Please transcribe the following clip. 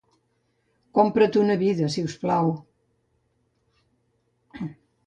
Compra't una vida, si us plau.